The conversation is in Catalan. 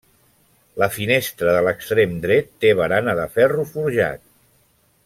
La finestra de l'extrem dret té barana de ferro forjat.